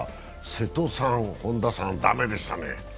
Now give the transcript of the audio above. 瀬戸さん、本多さん、駄目でしたね。